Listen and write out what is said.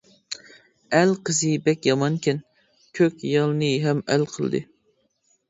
ئەل قىزى بەك يامانكەن، كۆك يالنى ھەم ئەل قىلدى.